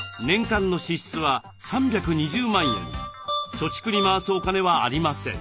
貯蓄に回すお金はありません。